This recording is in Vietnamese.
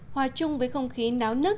hòa chung với không khí náo nước